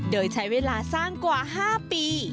โดยใช้เวลาสร้างกว่า๕ปี